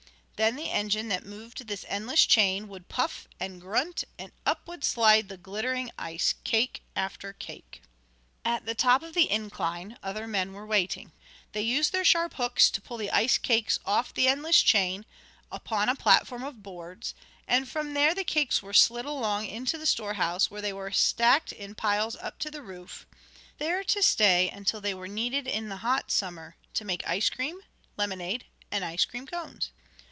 Then the engine that moved this endless chain, would puff and grunt, and up would slide the glittering ice, cake after cake. At the top of the incline other men were waiting. They used their sharp hooks to pull the ice cakes off the endless chain, upon a platform of boards, and from there the cakes were slid along into the store house, where they were stacked in piles up to the roof, there to stay until they were needed in the hot summer, to make ice cream, lemonade and ice cream cones.